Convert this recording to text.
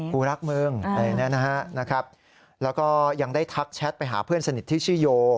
กูรักมึงอะไรอย่างนี้นะฮะแล้วก็ยังได้ทักแชทไปหาเพื่อนสนิทที่ชื่อโย